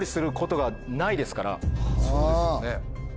そうですよね。